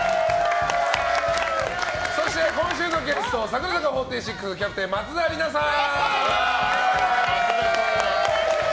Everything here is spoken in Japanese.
そして、今週のゲスト櫻坂４６キャプテン松田里奈さん！